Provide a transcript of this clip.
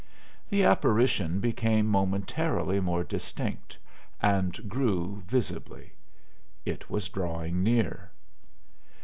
The apparition became momentarily more distinct, and grew, visibly; it was drawing near.